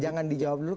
jangan dijawab dulu